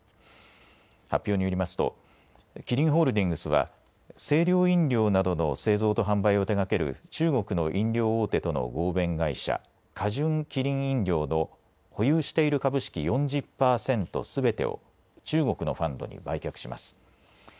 発表によりますとキリンホールディングスは清涼飲料などの製造と販売を手がける、中国の飲料大手との合弁会社、華潤麒麟飲料の保有している株式４０％すべてを中国のファンドに売却します。